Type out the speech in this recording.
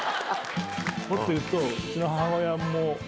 もっと言うと。